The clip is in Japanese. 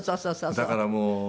だからもう。